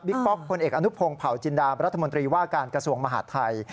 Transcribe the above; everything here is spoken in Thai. บิ๊กป๊อกคนเอกอนุพงศ์เผาจินดาบิ๊กป๊อกว่าการกระทรวงมหาดไทย